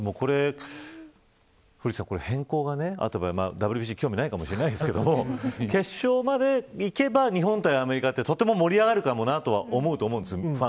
古市さん、変更があった場合ＷＢＣ、興味ないかもしれないですけど決勝までいけば日本対アメリカってとても盛り上がるかもなと思うんです。